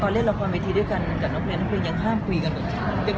ตอนเรียนละครเวทีด้วยกันกับน้องเพลงน้องเพลงยังห้ามคุยกัน